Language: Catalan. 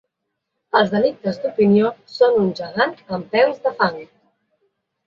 Els delictes d'opinió són un gegant amb peus de fang.